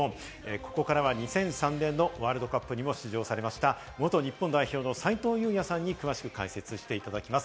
ここからは２００３年のワールドカップにも出場されました元日本代表の斉藤祐也さんに詳しく解説していただきます。